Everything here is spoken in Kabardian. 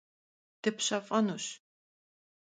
Dıpşef'enuş.